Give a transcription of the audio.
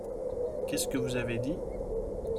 Qu'est-ce que vous avez dit ?